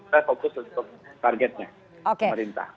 fokus untuk targetnya